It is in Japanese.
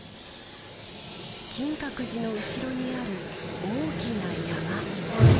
金閣寺の後ろにある大きな山。